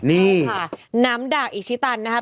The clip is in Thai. นี่ค่ะน้ำด่างอิชิตันนะครับ